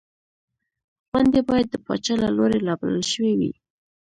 غونډې باید د پاچا له لوري رابلل شوې وې.